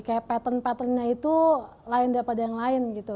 kayak pattern patternnya itu lain daripada yang lain gitu